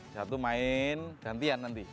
satu main gantian nanti